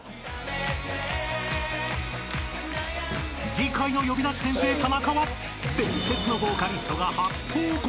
［次回の『呼び出し先生タナカ』は伝説のボーカリストが初登校！］